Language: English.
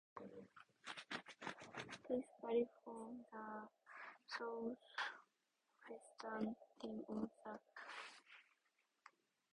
This cliff forms the southwestern rim of the Nectaris impact basin.